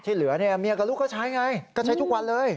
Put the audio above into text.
เหลือเนี่ยเมียกับลูกก็ใช้ไงก็ใช้ทุกวันเลย